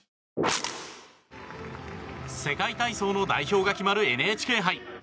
世界体操の代表が決まるＮＨＫ杯。